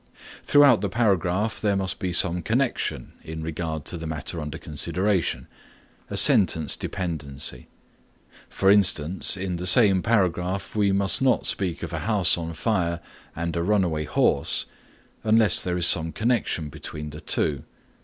Throughout the paragraph there must be some connection in regard to the matter under consideration, a sentence dependency. For instance, in the same paragraph we must not speak of a house on fire and a runaway horse unless there is some connection between the two.